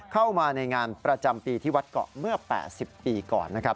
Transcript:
เข้ามาในงานประจำปีที่วัดเกาะเมื่อ๘๐ปีก่อนนะครับ